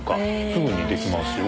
すぐにできますよ。